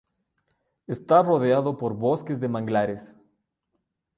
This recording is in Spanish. Está rodeado por bosques de manglares.